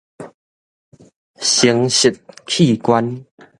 生殖器官